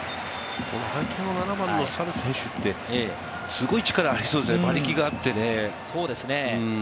相手のサル選手ってすごい力がありそうですよね、馬力があって。